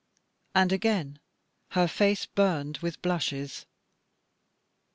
And again her face burned with blushes.